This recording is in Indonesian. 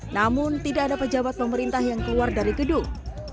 namun tidak ada pejabat pemerintah yang keluar dari gedung